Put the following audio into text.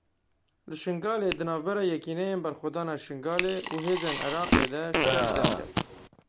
Li Şingalê di navbera Yekîneyên Berxwedana Şingalê û hêzên Iraqê de şer derket.